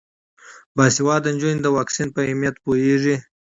باسواده نجونې د واکسین په اهمیت پوهیږي.